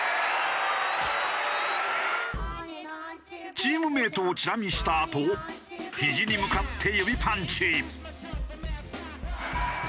チームメイトをチラ見したあとひじに向かって指パンチ。